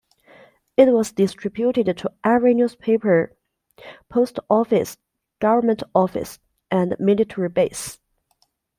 It was distributed to every newspaper, post office, government office, and military base.